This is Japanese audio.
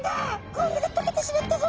氷が解けてしまったぞ！